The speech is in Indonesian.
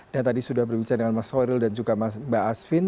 dan tadi sudah berbicara dengan mas kherul dan juga mbak asvin